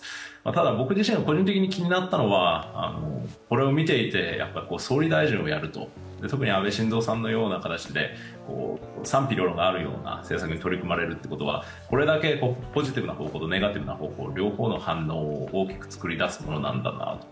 ただ、僕自身、個人的に気になったのは、総理大臣をやると、総理大臣をやると特に安倍晋三さんのような形で賛否両論があるような状態で取り組まれるというのはこれだけポジティブな方向とネガティブな方向を作り出すものなんだなと。